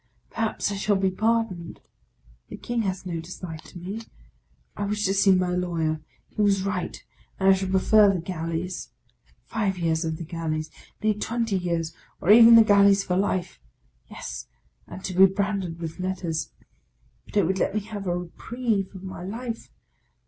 Perhaps I shall be pardoned. The King has no dislike to me. I wish to see my lawyer ! He was right, and I should prefer the gal leys. Five years of the galleys, — nay, twenty years, or even the galleys for life. Yes, and to be branded with letters ! But it would let me have a reprieve of my life!